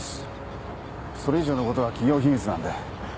それ以上のことは企業秘密なので。